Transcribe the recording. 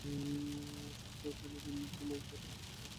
আশুর নাম ছিল গিন্নি, কিন্তু তাহার সঙ্গে একটু ইতিহাস জড়িত আছে।